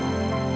ya makasih ya